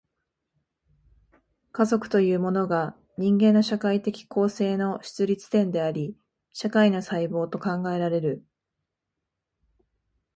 家族というものが、人間の社会的構成の出立点であり、社会の細胞と考えられる。